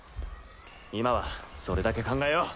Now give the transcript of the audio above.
今はそれだけ考えよう。